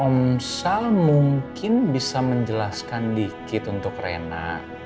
om sal mungkin bisa menjelaskan dikit untuk rena